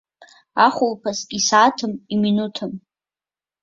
Ахәылԥаз исааҭым, иминуҭым.